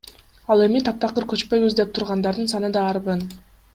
Ал эми таптакыр көчпөйбүз деп тургандардын саны да арбын.